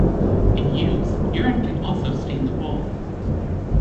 In ewes, urine can also stain the wool.